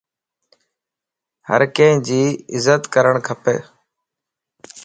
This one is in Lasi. ھرڪي جي عزت ڪرڻ کپ